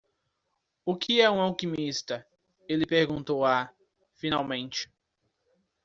"O que é um alquimista?", ele perguntou a? finalmente.